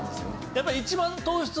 やっぱり。